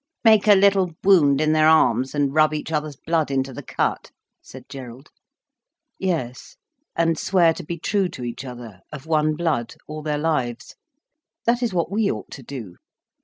"Make a little wound in their arms, and rub each other's blood into the cut?" said Gerald. "Yes—and swear to be true to each other, of one blood, all their lives. That is what we ought to do.